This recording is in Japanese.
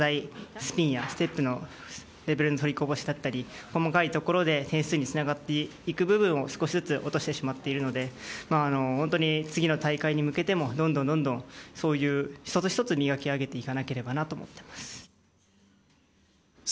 スピンやステップのレベルの取りこぼしだったり細かいところで点数につながっていく部分を少しずつ落としてしまっているので本当に次の大会に向けてもどんどん１つ１つ磨き上げていかなければと思っています。